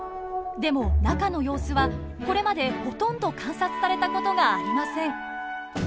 でも中の様子はこれまでほとんど観察されたことがありません。